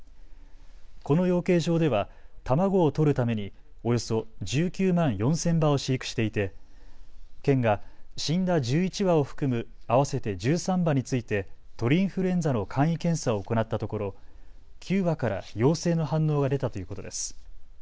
この養鶏場では卵を採るためにおよそ１９万４０００羽を飼育していて県が死んだ１１羽を含む合わせて１３羽について鳥インフルエンザの簡易検査を行ったところ９羽から陽性の反応が出たということです。